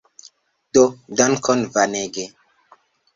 Do dankon Vanege.